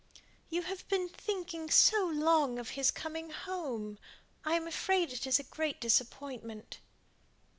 "You have been thinking so long of his coming home. I am afraid it is a great disappointment."